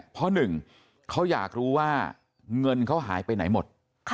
เพราะหนึ่งเขาอยากรู้ว่าเงินเขาหายไปไหนหมด